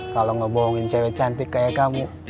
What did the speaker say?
kalau ngebohongin cewek cantik kayak kamu